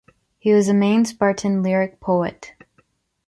He was the main Spartan lyric poet.